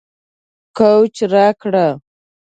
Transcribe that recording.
کوچ راکړه